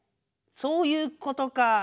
そういうことか。